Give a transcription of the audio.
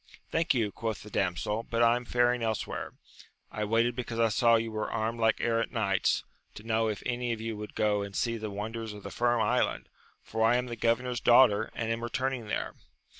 Thank you, quoth the damsel, but I am faring elsewhere. I waited because I saw you were armed like errant knights, to know if any of you would go and see the wonders of the Firm Island, for I am the governor's daughter, and am returning there.